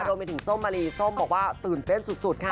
รวมไปถึงส้มมารีส้มบอกว่าตื่นเต้นสุดค่ะ